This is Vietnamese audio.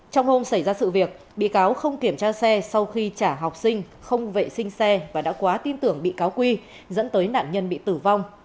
trong hôm xảy ra sự việc bị cáo không kiểm tra xe sau khi trả học sinh không vệ sinh xe và đã quá tin tưởng bị cáo quy dẫn tới nạn nhân bị tử vong